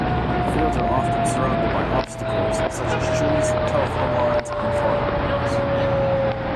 Fields are often surrounded by obstacles such as trees, telephone lines, and farm buildings.